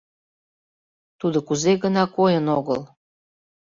Тудо кузе гына койын огыл?